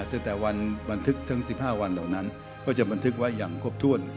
ตั้งแต่วันบันทึกทั้ง๑๕วันเหล่านั้นก็จะบันทึกไว้อย่างครบถ้วน